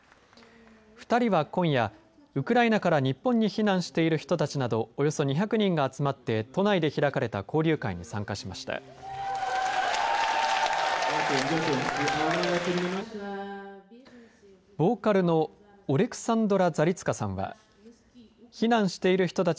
２人は今夜ウクライナから日本に避難している人たちなどおよそ２００人が集まって都内で開かれた交流会に参加しました。